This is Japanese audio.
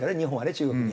中国に。